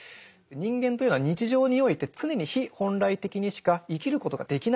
人間というのは日常において常に非本来的にしか生きることができないんだ。